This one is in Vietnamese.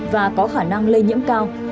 và có khả năng lây nhiễm cao